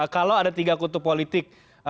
kalau ada tiga kutub politik